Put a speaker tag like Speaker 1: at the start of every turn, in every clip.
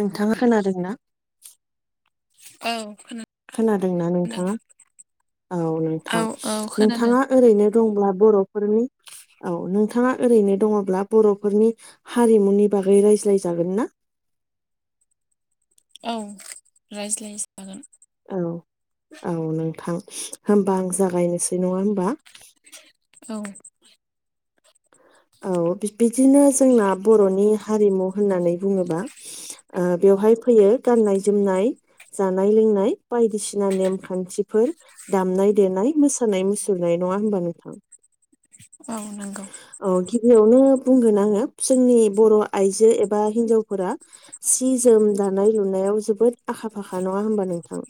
Speaker 1: नोंथाङा खोनादोंना?
Speaker 2: औ खोनादों
Speaker 1: खोनादोंना नोंथाङा औ
Speaker 2: औ
Speaker 1: नोंथां
Speaker 2: औ खोनादों
Speaker 1: नोंथाङा ओरैनो दंब्ला बर'फोरनि औ नोंथाङा ओरैनो दङब्ला बर'फोरनि हारिमुनि बागै राय ज्लाय जागोन ना?
Speaker 2: औ रायज्लाय जागोन
Speaker 1: औ औ नोंथां होमबा आं जागायनोसै नङा होम [unintelligible]
Speaker 2: औ
Speaker 1: औ बिदिनो जोंना बर'नि हारिमु होननानै बुङोबा ओ बेवहा बेवहाय फैयो गाननाय जोमनाय जानाय लोंनाय बायदिसिना नेम खान्थिफोर दामनाय देनाय मोसानाय मुसुरनाय नंआ होनबा नोथां?
Speaker 2: औ नंगौ
Speaker 1: औ गिबियावनो बुंगोन आङो जोंनि बर' आइजो एबा हिनजावफोरा सि जोम दानाय लुनायाव याव जोबोद आखा फाखा नङा होनबा नोंथां।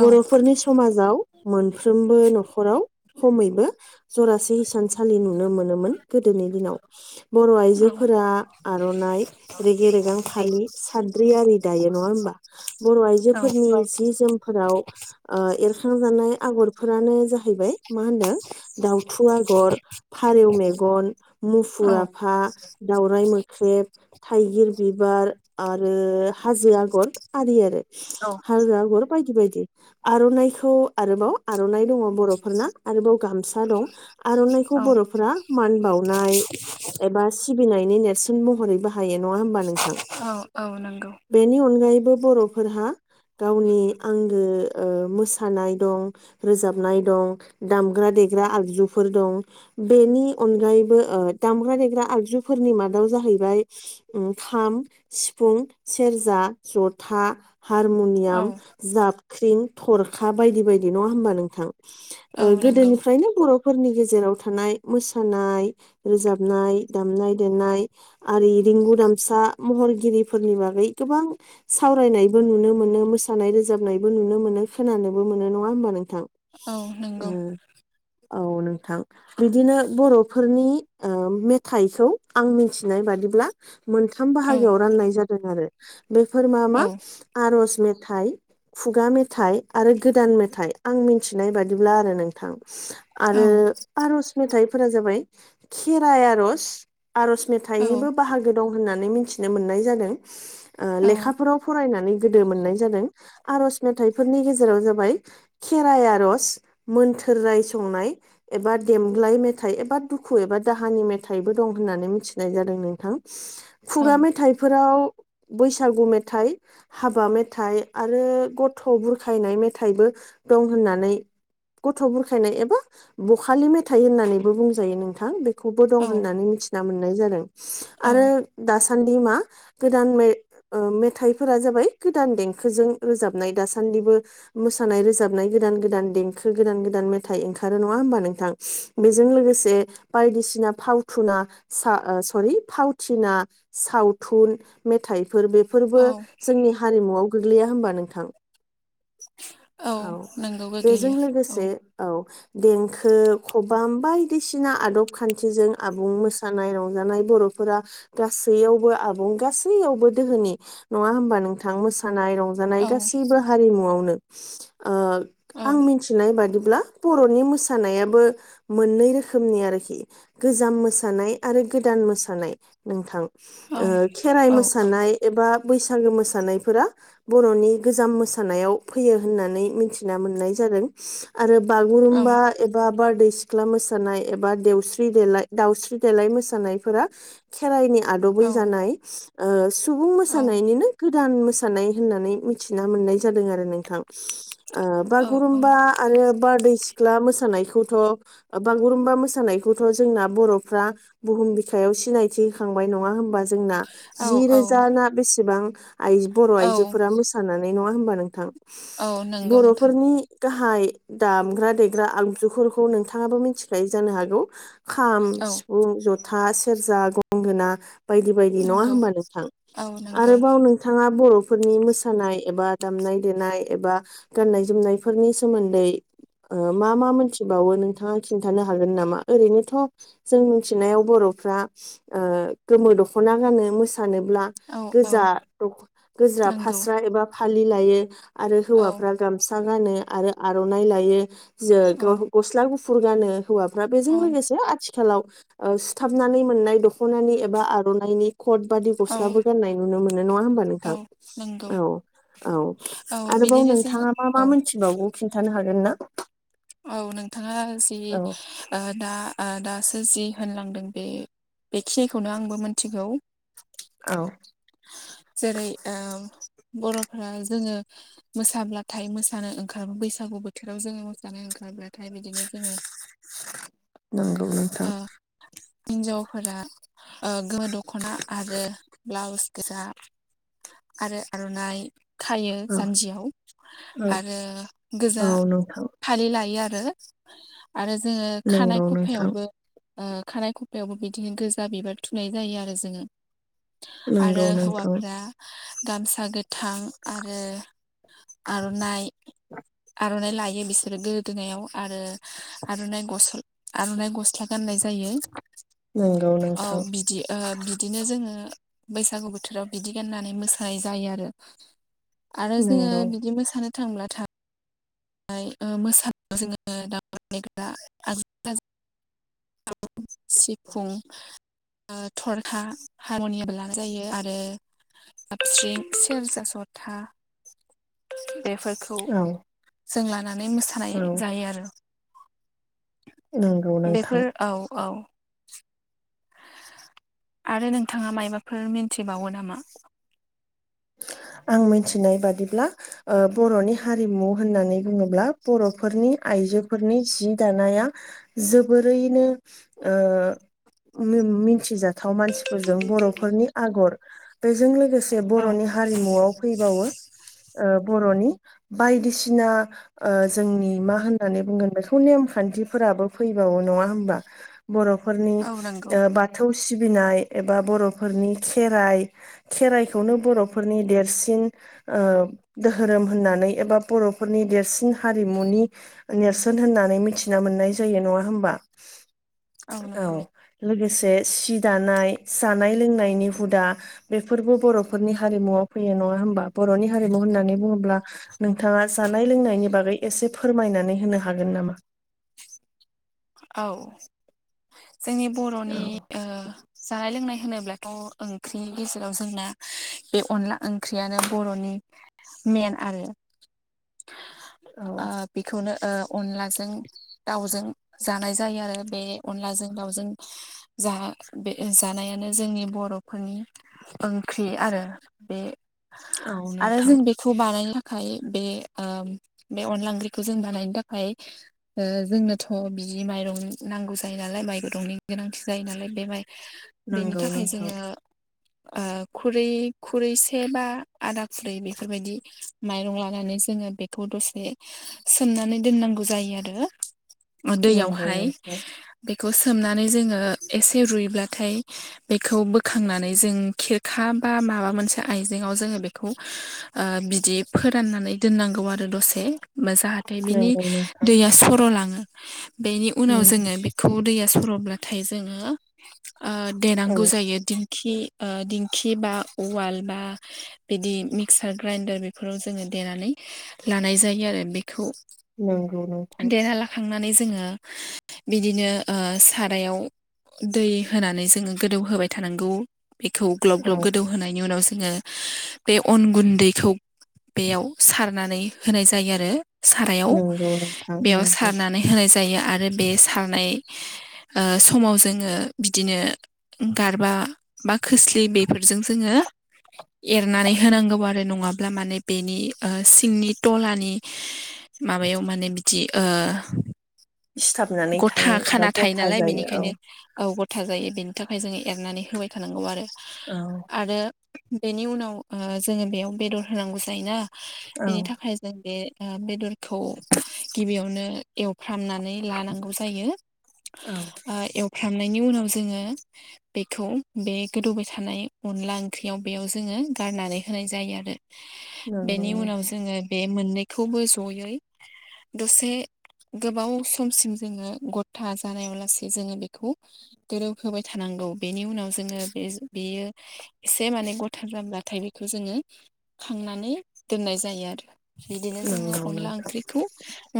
Speaker 2: औ
Speaker 1: बर'फोरनि समाजाव मोनफ्रोमबो न'खराव खमैबो जरासे हिसानसालि नुनो मोनोमोन। गोदोनि दिनाव बर'
Speaker 2: औ
Speaker 1: आइजोफोरा आर'नाइ रेगे रेगां फालि सा द्रियारि दायो नङा होमबा बर'
Speaker 2: औ
Speaker 1: आइजोफोरनि सि जोमफोराव ओ एरखांजानाय आगरफोरानो जाहैबाय मा होनदों दाउथु आगर फारौ मेगन मुफुर आफा दावराइ मोख्रेब थाइगिर बिबा बार आरो हाजो आगर आरि आरो हाजो आगर बायदि बायदि। आर'नाइखौ आरोबाव आर'नाइ दङ बर'फोरना आरोबाव गामसा दं आर'नाइखौ खौ
Speaker 2: औ
Speaker 1: बर'फोरा मान बावनाय एबा सिबिनायनि नेरसोन महरै बाहायो नङा होमबा नोंथां
Speaker 2: औ औ नंगौ
Speaker 1: बेनि अनगायैबो बर'फोरहा गावनि आंगो मोसानाय दं रोजाबनाय दं दामग्रा दे फेग्रा आगजुफोर दं बेनि अनगायैबो दामग्रा देग्रा आगजुफोरनि मादाव जाहैबाय खाम सिफुं सेरजा जथा हारमुनियाम
Speaker 2: औ
Speaker 1: जाबख्रिं थरखा बायदि बायदि नङा होमबा नोंथां
Speaker 2: औ नंगौ
Speaker 1: गोदोनिफ्रायनो बर'फोरनि गेजेराव थ थानाय मोसानाय रोजाबनाय दामनाय देनाय आरि रिंगु दामसा महरगिरिफोरनि बागै गोबां सावरायनायबो नुनो मोनो मोसानाय रोजाबनायबो नुनो मोनो मोनो खोनानोबो मोन नङा होमबा नोंथां
Speaker 2: औ नंगौ
Speaker 1: उम औ नोंथां बिदिनो बर'फोरनि मेथाइखौ आं मिथिनाय बादिब्ला थाम
Speaker 2: औ
Speaker 1: बाहागआव राननाय जादों आरो बेफोर मा मा
Speaker 2: औ
Speaker 1: आरज मेथाइ खुगा मेथाइ आरो गोदान मेथाइ आं मिथिनाय बादिब्ला आरो नोंथां
Speaker 2: औ
Speaker 1: आरो आर'ज मेथाइफोरा जाबाय खेराइ आर'ज आर'ज
Speaker 2: औ
Speaker 1: मेथाइनिबो बाहागो दं होननानै मिथिनो मोननाय जादों लेखाफोराव फरायनानै गोदो मोननाय जादों आर'ज मेथाइफोरनि गेजेराव जाबाय खेराइ आर'ज मोन्थोर राय संनाय एबा देमग्लाय मेथाइ एबा दुखु एबा दाहानि मेथाइबो दं होननानै मिथिनाय जादों नोंथां खुगा मेथाइफोराव बैसागु मेथाइ हाबा मेथाइ आरो गथ' बुरखायनाय मेथाइबो दं होननानै गथ' बुरखायनाय एबा बखालि मेथाइ होननानैबो बुंजायो नोंथां बे खौबो दं
Speaker 2: औ
Speaker 1: होननानै मिथिना मोननाय जादों आरो दासान्दि मा गोदाने मेथाइफोरा जाबाय गोदान देंखोजों रोजाबनाय दासान्दिबो मोसानाय रोजाबनाय गोदान गोदान देंखो गोदान गोदान मेथाइ ओंखारो नङा नोंथां बेजों लोगोसे बायदिसिना फावथुना सर फुथिना सावथुन मेथाइ बेफोरबो
Speaker 2: औ
Speaker 1: जोंनि हारिमुआव गोग्लैया होमबा नोंथां औ
Speaker 2: नंगौ
Speaker 1: बेजों
Speaker 2: गोग्लैयो औ
Speaker 1: लोगोसे औ देंखो खबाम बायदिसिना आदब खान्थिजों आबुं मोसानाय रंजानाय बर' गासैयावबो आबुं गासैयावबो दोहोनि नङा हबा नोंथां मोस रंजानाय
Speaker 2: औ
Speaker 1: गासैबो हारिमुवानो ओ
Speaker 2: औ
Speaker 1: आं मिथिनाय बादिब्ला बर नि मोसानायाबो मोननै रोखोमनि आरोखि गोजाम मोसानाय आरो गोदान मोसानाय नोंथां
Speaker 2: औ
Speaker 1: खेराइ
Speaker 2: औ
Speaker 1: मोसानाय एबा बैसागो मोसानायफोरा बर'नि गोजाम मोसानायाव फैयो होननानै मिथिना मोननाय जायो आरो
Speaker 2: औ
Speaker 1: बुरुमबा एबा सिख्ला मोसानाय एबा दस्रि दाय दाउस्रि देलाय मोसानायफोरा खेरायनि आदबै जानाय सुबुं मोसानायनिनो गोद गोदान मोसानाय होननानै मिथिना मोननाय जादों आरो नोंथां बागुरुम्बा आरो बारदै सिख्ला मोसानायखौथ' बागुरुमबा मोसानायखौथ' जोंना बर'फ्रा बुहुम बिखायाव सिनायथि होखांबाय नङा होनोमबा जोंना
Speaker 2: औ
Speaker 1: जि रोजा ना बेसेबां बर'
Speaker 2: औ
Speaker 1: आइजोफोरा मोसानानै नङा होनबा नोंथां
Speaker 2: औ नंगौ नोंथां
Speaker 1: बर'फोरनि गाहाय दामग्रा देग्रा आगजुफोरखौ नोंथाङाबो मिथिखायो जानो हागौ खाम
Speaker 2: औ
Speaker 1: सिफुं जथा सेरजा गंगोना बायदि बायदि नङा
Speaker 2: नंगौ
Speaker 1: होनबा नोंथां
Speaker 2: औ नंगौ
Speaker 1: आरोबाव नोंथाङा बर' फोरनि मोसानाय एबा दामनाय देनाय एबा गान्नाय जोमनायफोरनि सोमोन्दै ओ मा मा मोनथिबावो नोंथाङा खिन्थानो हागोन नामा ओरैनोथ' जों मिथिनायाव बर' ओ गोमो दखना गानो सानोब्ला
Speaker 2: औ औ
Speaker 1: गोजा गोजा द
Speaker 2: नंगौ
Speaker 1: फास्रा एबा फालि लायो आरो
Speaker 2: औ
Speaker 1: हौवाफ्रा गामसा गानो आरो आर'नाइ लायो जों
Speaker 2: औ
Speaker 1: गस्ला गु गुफुर गानो हौवाफ्रा
Speaker 2: औ
Speaker 1: बेजों लोगोसे आथिखालाव ओ सुथाबनानै मोननाय ख'नानि एबा आर'नाइनि कट बादि
Speaker 2: औ
Speaker 1: गस्लाबो गान्नाय नुनो मोनो नङा होमबा
Speaker 2: औ
Speaker 1: नोंथां
Speaker 2: नंगौ
Speaker 1: औ औ
Speaker 2: औ
Speaker 1: आरोबाव
Speaker 2: बिदिनो जोङो
Speaker 1: नोंथाङा मा मा
Speaker 2: औ
Speaker 1: मिथिबावगो खिन्थानो हागोन ना
Speaker 2: औ नोंथाङा जि
Speaker 1: औ
Speaker 2: ओ दा दा जि होनलांदों बे बेखिनिखौनो आंबो मिथिगौ
Speaker 1: औ
Speaker 2: जेरै ओ बर'फ्रा जोङो मोसाब्लाथाय मोसानो ओंखारो बैसागु बोथोराव जोङो मोसानो ओंखारब्ला थाय बिदिनो जोङो
Speaker 1: नंगौ नोंथां
Speaker 2: ओ हिन्जावफोरा ओ गोमो दख'ना आरो ब्लाउस गोजा आरो आर'नाइ खायो
Speaker 1: औ
Speaker 2: जानजियाव
Speaker 1: औ
Speaker 2: आरो
Speaker 1: औ
Speaker 2: गोजा
Speaker 1: नोंथां
Speaker 2: फालि लायो आरो [unintelligible] आरो जोङो खानाय
Speaker 1: नंगौ नोंथां
Speaker 2: खुफायावबो ओ खानाय खफायावबो बिदिनो गोजा बिबार थुनाय जायो आरो जोङो आरो
Speaker 1: नंगौ नोंथां
Speaker 2: हौवाफोरा गामसा गोथां आरो आर'नाइ
Speaker 1: [unintelligible]
Speaker 2: आर'नाय लायो बिसोरो गोदोनायाव आरो आर'नाइ आर'नाइ गस्ला गाननाय जायो
Speaker 1: नंगौ
Speaker 2: औ
Speaker 1: नोंथां
Speaker 2: बिदि बिदिनो जोङो बैसागु बोथोराव बिदि गाननानै मोसानाय जायो आरो आरो जोङो
Speaker 1: नंगौ
Speaker 2: बिदि मोसानो थांब्लाथाय ओमफय मोसानायाव जोङो दांमग्रा देग्रा [unintelligible] सिफुं थरखा हारमुनियाम लानाय जायो आरो आबसिं सेरजा जथा बे फोरफोरखौ
Speaker 1: औ
Speaker 2: जों लानानै मोसानाय
Speaker 1: औ
Speaker 2: जायो आरो
Speaker 1: नंगौ
Speaker 2: बेफोर
Speaker 1: नोंथां
Speaker 2: औ औ आरो नोंथाङा मायबाफोर मिथिबावो नामा
Speaker 1: [unintelligible] आं मिथिनाय बादिब्ला ओ बर'नि हारिमु होननानै बुङोब्ला बर'फोरनि आइजोफोरनि जि दानाया जोबोरैनो ओ मिथिजाथाव मानसिफोरजों बर'फोरनि आगर बेजों लोगोसे
Speaker 2: औ
Speaker 1: बर'नि हारिमुआव फैबावो ओ बर'नि बायदिसिना ओ जोंनि मा होननानै बुंगोन बेखौ नेमखान्थिफोराबो फैबा नङा होनबा बर'फोरनि
Speaker 2: औ नंगौ
Speaker 1: ओ बाथौ सिबिनाय एबा बर'फोरनि खेराय खेरायखौ नो बर' फोरनि देरसिन ओ दोहोरोम होननानै एबा बर'फोरनि देरसिन हारिमुनि नेरसोन होननानै मिथिना मोननाय जायो नङा होमबा। औ लोगो से सि दानाय जानाय लोंनायनि हुदा बेफोरबो बर' फोरनि हारिमुआव फैयो नङा हबा बर'नि हारिमु होननानै बुङोब्ला नोंथाङा जानाय लोंनायनि बागै एसे फोरमायनानै होनो हागोन नामा?
Speaker 2: औ जोंनि बर'नि
Speaker 1: औ
Speaker 2: ओ जानाय लोंनाय होनोब्लाथ' ओंख्रिनि गेजेराव जोंना बे अनला ओंख्रियानो बर'नि मेन आरो
Speaker 1: [inaudible] औ
Speaker 2: ओ बेखौनो ओ अनलाजों दाउजों जानाय जायो आरो। बे अनलाजों दावजों जा बे जानायानो जोंनि बर' बर'फोरनि ओंख्रि आरो बे
Speaker 1: औ
Speaker 2: आरो
Speaker 1: नोंथां
Speaker 2: जों बेखौ बानायनो थाखाय बे ओ बे अनलाांग्रिखौ जों बानायनो थाखाय ओ जोंनोथ' बिदि माइरं नांगौ जायो नालाय माइ रंनि गोनांथि जायो नालाय बे माइरं बेनि
Speaker 1: नंगौ
Speaker 2: थाखाय
Speaker 1: नोंथां
Speaker 2: जोङो ओ खुरै खुरैसे बा आदा खुरै बेफोरबायदि माइरं लानानै जोङो बेखौ दसे सोमनानै दोननांगौ जायो आरो।
Speaker 1: नंगौ
Speaker 2: दैयावहाय बे
Speaker 1: नोंथां
Speaker 2: बेखौ सोमनानै जोङो एसे रुइब्लाथाय बेखौ बोखांनानै जों खिरखा बा माबा मोनसे आइजेंआव जोङो बेखौ बिदि फोराननानै दोननांगौ आरो दसे। जाहाथे बिनि
Speaker 1: नंगौ नोंथां
Speaker 2: दैया सर'लाङो। बेनि उनाव जोङो
Speaker 1: नंगौ
Speaker 2: बेखौ दैया सर'ब्लाथाय जोङो ओ देनांगौ
Speaker 1: औ
Speaker 2: जायो दिन दिंखि ओ दिंखि बा उवाल बा बिदि मिक्सार ग्राइडार बेफोराव जोङो देनानै लानाय जायो आरो बेखौ।
Speaker 1: नंगौ नोंथा
Speaker 2: खांनानै जोङो बिदिनो सारायाव दै होनानै जोङो गोदौ होबाय थानांगौ। बेखौ ग्लब- ग्लब
Speaker 1: औ
Speaker 2: गोदौ होनायनि उनाव जोङो बे अन गुन्दैखौ बेयाव सारनानै होनाय जायो आरो। सारायाव
Speaker 1: नंगौ नोंथां
Speaker 2: बेयाव
Speaker 1: नंगौ
Speaker 2: सारनानै होनाय जायो आरो आरो बे सारनाय समाव जोङो बिदिनो गारबा बा खोस्लि बेफोरजों जोङो एरनानै होनांगौ आरो नङाब्ला माने बेनि सिंनि थालानि माबायाव माने बिदि ओ
Speaker 1: सिथाबनानै
Speaker 2: गथा
Speaker 1: थायो एबा
Speaker 2: खाना थायो
Speaker 1: गथा
Speaker 2: नालाय
Speaker 1: जायो औ
Speaker 2: बेनिखायनो औ गथ थाजायो बेनि थाखाय जोङो एरनानै होबाय थानांगौ आरो। आरो
Speaker 1: औ
Speaker 2: बेनि उनाव ओ जोङो बेयाव बेदर होनांगौ जायोना
Speaker 1: औ
Speaker 2: बेनि थाखाय जों बे बेदरखौ गिबियावनो एव-' फ्रामनानै लानांगौ जायो
Speaker 1: औ
Speaker 2: ओ एव फ्रामनायनि उनाव जोङो बेखौ बे गोदौबाय थानाय अनला ओंख्रियाव बेयाव जोङो गारनानै होनाय जायो आरो।
Speaker 1: नंगौ
Speaker 2: बेनि उनाव
Speaker 1: नोंथां
Speaker 2: जोङो बे मोननैखौबो जयै दसे गोबाव समसिम जोङो गथा जानायावलासे जोङो बेखौ गोरोब होबाय थाना नांगौ बेनि उनाव जोङो बे बेयो एसे माने गथा जब्लाथाय बेखौ जोङो खांनानै दोननाय जायो आरो बिदिनो जोङो
Speaker 1: नंगौ
Speaker 2: अनला
Speaker 1: नोंथां
Speaker 2: ओंख्रिखौ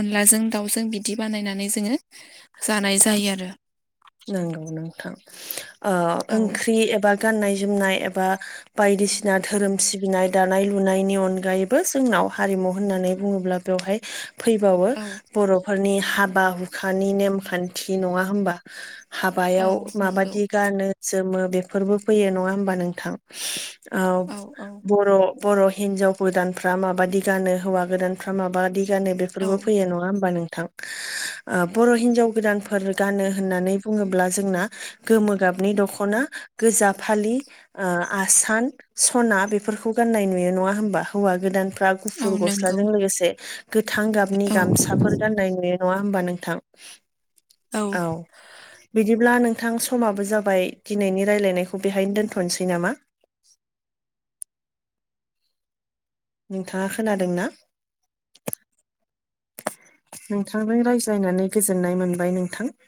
Speaker 2: अनलाजों दाउजों बिदि बानायनानै जोङो जानाय जायो आरो।
Speaker 1: नंगौ नोंथां ओ
Speaker 2: औ
Speaker 1: ओंख्रि एबा गाननाय जोमनाय एबा बायदिसिना धोरोम सिबिनाय दानाय लुनायनि अनगायैबो जोंनाव हारिमु होननानै बुङोब्ला बेवहाय फैबावो
Speaker 2: औ
Speaker 1: बर'फोरनि हाबा हुखानि नेमखान्थि नङा होमबा? हाबायाव
Speaker 2: औ नंगौ
Speaker 1: माबायदि गानो जोमो बेफोरबो फैयो नङा होमबा नोंथां? औ बर' बर' हिनजाव गोदानफ्रा माबादि गानो हौवा गोदानफ्रा माबादि गानो
Speaker 2: औ
Speaker 1: बेफोरबो फैयो नङा हबा नोंथां बर' हिनजाव गोदानफोर गानो होननानै बुङोब्ला जोंना गोमोोगाबनि दखना गोजा फालि आ आस सान सना बेफोरखौ गाननाय नुयो नङा होमबा हौवा गोदान फ्रा
Speaker 2: औ
Speaker 1: गुफुर
Speaker 2: नंगौ
Speaker 1: गस्लाजों लोगोसे गोथां गाबनि
Speaker 2: औ
Speaker 1: गामसाफोर गान्नाय नुयो। नङा होमबा नोंथां?
Speaker 2: औ।
Speaker 1: बिदिब्ला नोंथां समाबो जाबाय दिनैनि रायलायनायखौ बेहायनो दोन्थ'नोसै नामा? [inaudible] नोंथाङा खोनादोंना? नोंथांजों रायज्लायनानै गोजोननाय मोनबाय नोंथां। [inaudible]